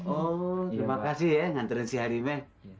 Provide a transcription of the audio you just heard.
oh terima kasih ya ngantriin si alime